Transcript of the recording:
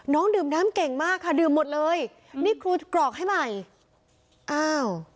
น้องดื่มน้ำเก่งมากค่ะดื่มหมดเลยนี่ครูกรอกให้ใหม่อ้าว